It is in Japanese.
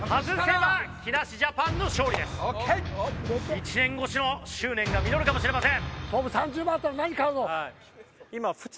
１年越しの執念が実るかもしれません。